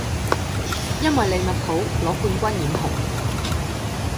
因為利物浦攞冠軍染紅